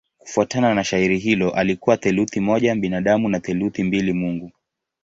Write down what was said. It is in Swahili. Kufuatana na shairi hilo alikuwa theluthi moja binadamu na theluthi mbili mungu.